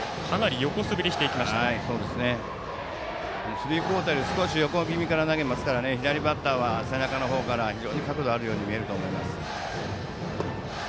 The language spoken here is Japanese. スリークオーターから横気味に投げてますから左バッターは背中の方から非常に角度があるように見えると思います。